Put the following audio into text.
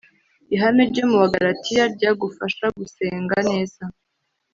ihame ryo mu Bagalatiya ryagufasha gusenga neza